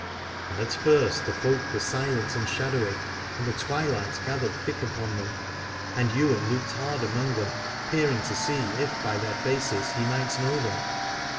And at the first the folk were silent and shadowy, and the twilight gathered thick upon them : and Ywain looked hard among them, peering to see if by their faces he might know them.